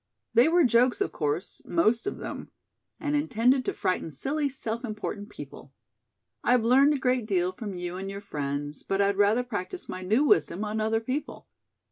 They were jokes, of course, most of them, and intended to frighten silly self important people. I've learned a great deal from you and your friends, but I'd rather practice my new wisdom on other people.